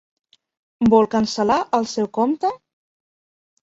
Vol cancel·lar el seu compte?